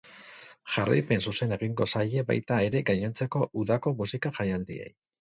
Jarraipen zuzena egingo zaie baita ere gainontzeko udako musika jaialdiei.